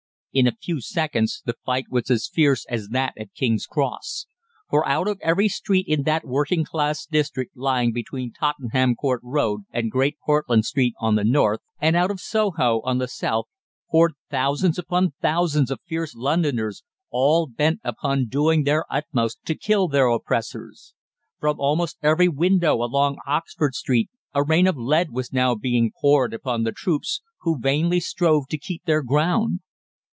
In a few seconds the fight was as fierce as that at King's Cross; for out of every street in that working class district lying between the Tottenham Court Road and Great Portland Street on the north, and out of Soho on the South, poured thousands upon thousands of fierce Londoners, all bent upon doing their utmost to kill their oppressors. From almost every window along Oxford Street a rain of lead was now being poured upon the troops, who vainly strove to keep their ground.